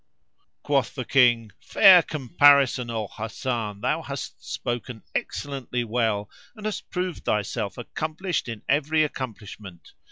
Quoth the King, "Fair comparison, O Hasan! [FN#487] thou hast spoken excellently well and hast proved thyself accomplished in every accomplishment!